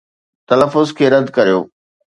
تلفظ کي رد ڪريو